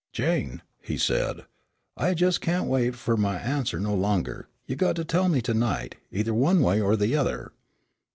"Jane," he said, "I jest can't wait fur my answer no longer! you got to tell me to night, either one way or the other.